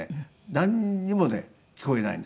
なんにもね聞こえないんですね。